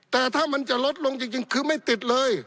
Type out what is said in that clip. แต่ถ้ามันจะลดลงจริงคือไม่ติดเลย